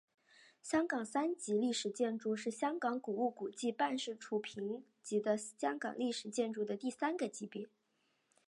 香港三级历史建筑是香港古物古迹办事处评级的香港历史建筑的第三个级别。